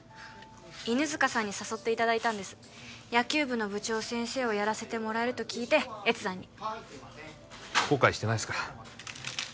犬塚さんに誘っていただいたんです野球部の部長先生をやらせてもらえると聞いて越山に後悔してないですか？